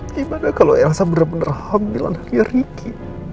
gimana kalau elsa benar benar hamil anaknya ricky